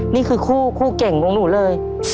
นี่คือคู่เก่งของหนูเลย